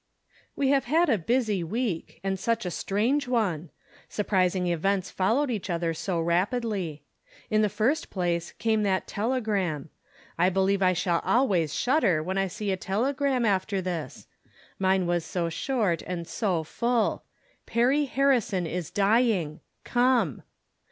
J We have had a busy "week, and, such a strange one ! Smprising events followed each other so rapidly. In the first place, came that telegram. I believe I shall always shudder when I see a telegram after this. Mine was so short and so full :" Perry Harrison is dying. Come."